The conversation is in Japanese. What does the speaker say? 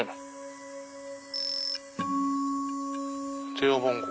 電話番号。